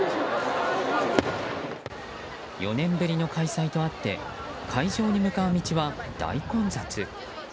４年ぶりの開催とあって会場に向かう道は大混雑。